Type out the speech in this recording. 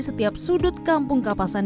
setiap sudut kampung kapasan